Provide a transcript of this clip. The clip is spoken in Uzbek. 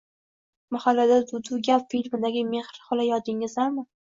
Mahallada duv-duv gap filmidagi Mehri xola yodingizdami